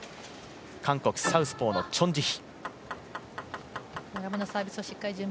韓国・サウスポーのチョン・ジヒ。